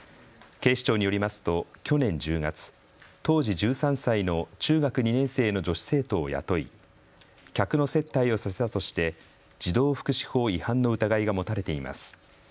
警視庁によりますと去年１０月、当時１３歳の中学２年生の女子生徒を雇い客の接待をさせたとして児童福祉法違反の疑いが持たれています。